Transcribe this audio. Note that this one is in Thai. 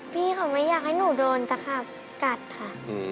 พี่เขาไม่อยากให้หนูโดนตะขาบกัดค่ะ